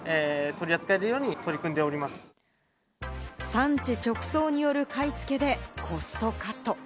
産地直送による買い付けでコストカット。